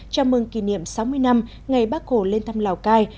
chào mừng kỷ niệm sáu mươi năm ngày bác hồ lên thăm lào cai